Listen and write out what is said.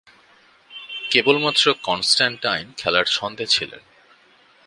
কেবলমাত্র কনস্ট্যান্টাইন খেলার ছন্দে ছিলেন।